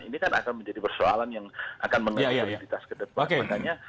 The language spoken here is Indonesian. ini kan akan menjadi persoalan yang akan mengembangkan kualitas kedepannya